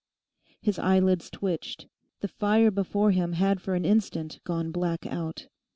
His eyelids twitched; the fire before him had for an instant gone black out.